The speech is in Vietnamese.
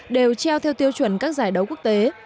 đều treo theo tiêu chuẩn các giải đấu quốc tế